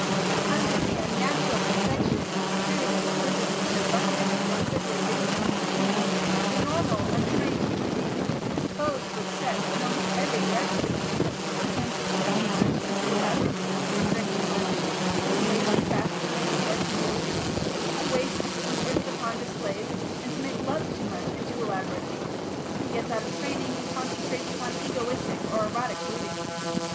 Under the unnatural perfection of security, liberty and abundance our civilisation has attained, the normal untrained human being is disposed to excess in almost every direction; he tends to eat too much and too elaborately, to drink too much, to become lazy faster than his work can be reduced, to waste his interest upon displays, and to make love too much and too elaborately. He gets out of training, and concentrates upon egoistic or erotic broodings.